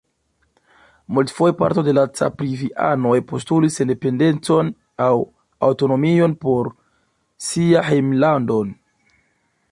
Multfoje parto de la Caprivi-anoj postulis sendependecon aŭ aŭtonomion por sia hejmlando.